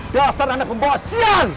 di asal anda pembasian